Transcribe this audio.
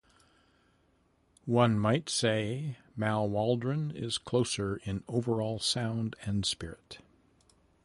One might say Mal Waldron is closer in overall sound and spirit.